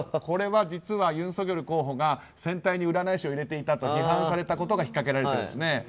これは実はユン・ソギョル候補が選対に占い師に入れていたと批判されたことが引っかけられてるんですね。